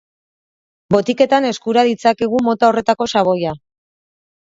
Botiketan eskura ditzakegu mota horretako xaboia.